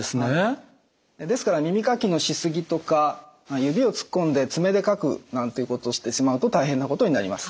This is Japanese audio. ですから耳かきのしすぎとか指を突っ込んで爪でかくなんていうことをしてしまうと大変なことになります。